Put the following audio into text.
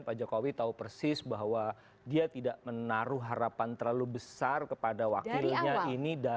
pak jokowi tahu persis bahwa dia tidak menaruh harapan terlalu besar kepada wakilnya ini